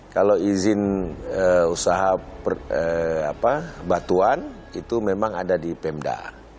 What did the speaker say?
kalau izin usaha batuan itu memang ada di pemda